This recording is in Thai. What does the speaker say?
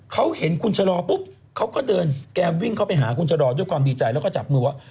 เขาเห็นคุณชะลอปุ๊บเขาก็เดินแกวิ่งเข้าไปหาคุณชะลอด้วยความดีใจแล้วก็จับมือว่า